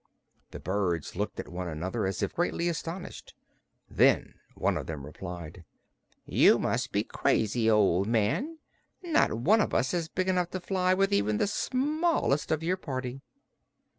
The birds looked at one another as if greatly astonished. Then one of them replied: "You must be crazy, old man. Not one of us is big enough to fly with even the smallest of your party."